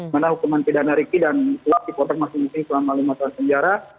mana hukuman pidana riki dan kuatmaruf masih disimpulkan dalam masalah sejarah